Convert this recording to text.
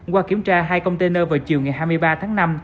qua kiểm tra hai container vào chiều ngày hai mươi ba tháng năm